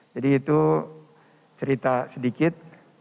jadi itu cerita sedikit